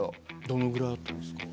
どのぐらいあったんですか？